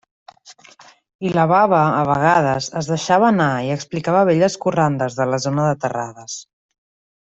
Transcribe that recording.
I la baba, a vegades, es deixava anar i explicava velles corrandes de la zona de Terrades.